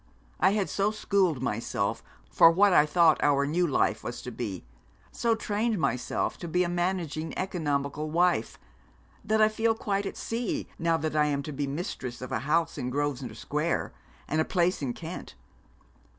I had so schooled myself for what I thought our new life was to be; so trained myself to be a managing economical wife, that I feel quite at sea now that I am to be mistress of a house in Grosvenor Square and a place in Kent.